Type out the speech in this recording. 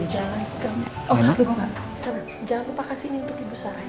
jangan lupa kasih ini untuk ibu saranya